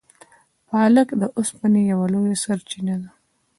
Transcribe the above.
پالک د اوسپنې یوه لویه سرچینه ده.